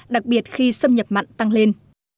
đặc biệt khi xâm nhập mặn tăng lên